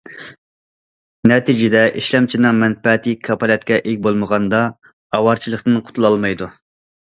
نەتىجىدە، ئىشلەمچىنىڭ مەنپەئەتى كاپالەتكە ئىگە بولمىغاندا ئاۋارىچىلىكتىن قۇتۇلالمايدۇ.